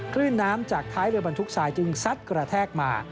คลื่นน้ำจากท้ายเรือบรรทุกทรายจึงซัดกระแทกมา